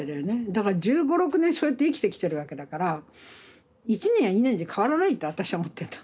だから１５１６年そうやって生きてきてるわけだから１年や２年じゃ変わらないって私は思ってんだ。